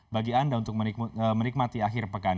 bagi anda untuk menikmati akhir pekan